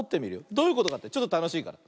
どういうことかってちょっとたのしいから。